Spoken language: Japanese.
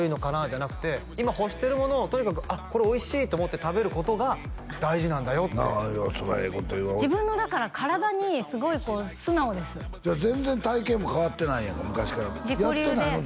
じゃなくて今欲してるものをとにかくあっこれおいしいって思って食べることが大事なんだよってそれはええこと言うわ自分のだから体にすごいこう素直です全然体型も変わってないやんか昔からやってないの？